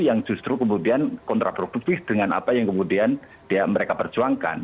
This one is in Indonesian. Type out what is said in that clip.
yang justru kemudian kontraproduktif dengan apa yang kemudian mereka perjuangkan